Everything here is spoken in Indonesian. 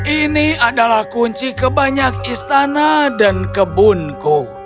ini adalah kunci kebanyak istana dan kebunku